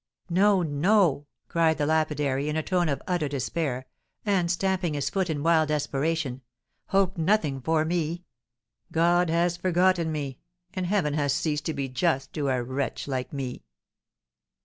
"No, no!" cried the lapidary, in a tone of utter despair, and stamping his foot in wild desperation, "hope nothing for me; God has forgotten me, and Heaven has ceased to be just to a wretch like me!"